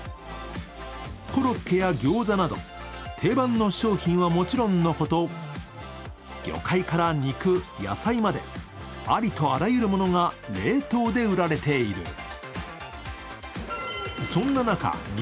コロッケやギョーザなど定番の商品はもちろんのこと、魚介から肉・野菜まで、ありとあらゆるものが冷凍で売られている。